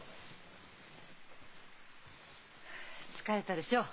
疲れたでしょう？